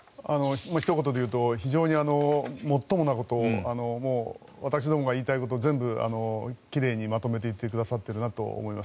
ひと言で言うと非常にもっともなことをもう私どもが言いたいことを全部、奇麗にまとめていってくださっているなと思います。